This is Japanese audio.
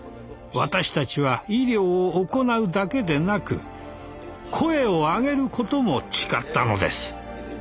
私たちは医療を行うだけでなく「声を上げる」ことも誓ったのです。